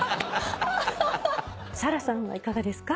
サラさんはいかがですか？